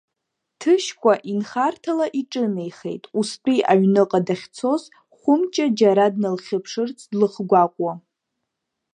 Ҭышькәа инхарҭала иҿынеихеит, устәи аҩныҟа дахьцоз, Хәымҷа џьара дналхьыԥшырц длыхгәаҟуа.